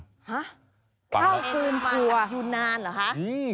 ฮะข้าวฟื้นถั่วยูนานเหรอฮะ